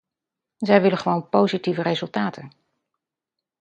Zij willen gewoon positieve resultaten.